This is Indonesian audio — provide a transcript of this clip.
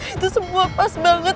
itu semua pas banget